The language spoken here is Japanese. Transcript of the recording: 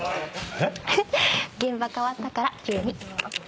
えっ⁉現場変わったから急に。